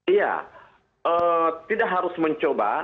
iya tidak harus mencoba